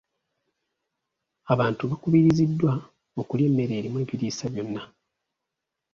Abantu bakubiriziddwa okulya emmere erimu ebiriisa byonna.